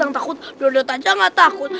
yang takut belut aja nggak takut